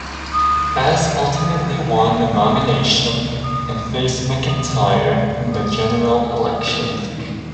Bass ultimately won the nomination, and faced McIntyre in the general election.